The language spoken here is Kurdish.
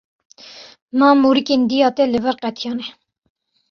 Ma morîkên dêya te li vir qetiyane.